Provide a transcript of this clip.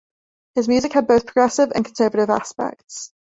His music had both progressive and conservative aspects.